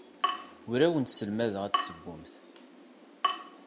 Ur awent-sselmadeɣ ad tessewwemt.